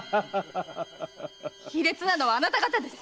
卑劣なのはあなた方です！